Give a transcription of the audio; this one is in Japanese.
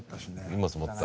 荷物持った。